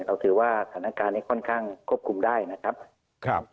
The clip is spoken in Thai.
เราถือว่าสถานการณ์นี้ค่อนข้างควบคุมได้นะครับ